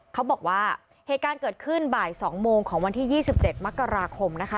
เขาบอกว่าเหตุการณ์เกิดขึ้นบ่ายสองโมงของวันที่ยี่สิบเจ็ดมักกราคมนะคะ